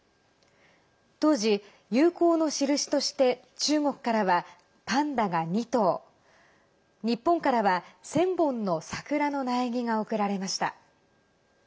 当時、友好の印として中国からはパンダが２頭日本からは１０００本の桜の苗木が贈られました。